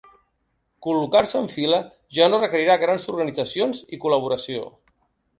Col·locar-se en fila ja no requerirà grans organitzacions i col·laboració.